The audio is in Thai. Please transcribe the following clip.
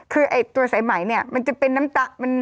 คือตัวสายไหมมันจะเป็นน้ำตัก